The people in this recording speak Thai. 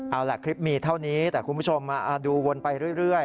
เอาล่ะคลิปมีเท่านี้แต่คุณผู้ชมดูวนไปเรื่อย